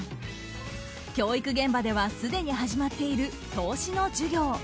教育現場ではすでに始まっている投資の授業。